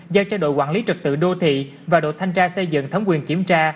giao cho đội quản lý trật tự đô thị và đội thanh tra xây dựng thống quyền kiểm tra